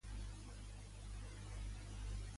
Quines cançons m'agraden de Sabaton?